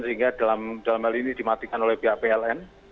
sehingga dalam hal ini dimatikan oleh pihak pln